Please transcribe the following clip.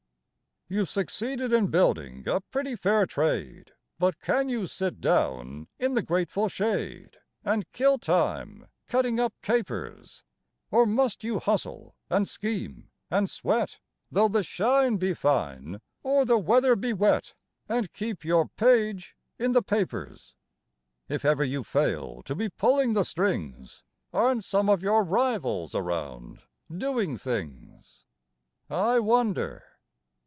You've succeeded in building a pretty fair trade, But can you sit down in the grateful shade And kill time cutting up capers? Or must you hustle and scheme and sweat, Though the shine be fine or the weather be wet, And keep your page in the papers? If ever you fail to be pulling the strings, Aren't some of your rivals around doing things, I wonder?